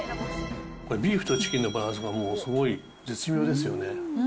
これ、ビーフとチキンのバランスがもうすごい、絶妙ですよね。